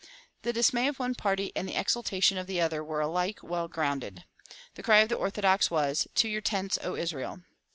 The dismay of one party and the exultation of the other were alike well grounded. The cry of the Orthodox was "To your tents, O Israel!"